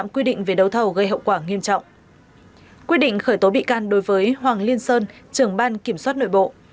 quyết định khởi tố bị can đối với hoàng liên sơn trưởng ban kiểm soát nội bộ